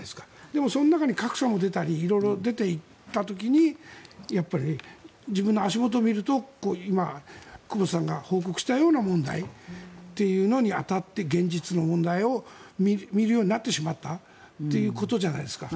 でも、その中に格差も出たり色々出ていた時にやっぱり自分の足元を見ると今、久保田さんが報告したような問題というのに当たって現実の問題を見るようになってしまったということじゃないですか。